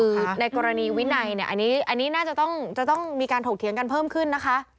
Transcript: คือในกรณีวินัยเนี่ยอันนี้น่าจะต้องมีการถกเถียงกันเพิ่มขึ้นนะคะ